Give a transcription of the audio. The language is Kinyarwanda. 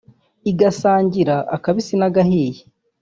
igasangira akabisi n’agahiye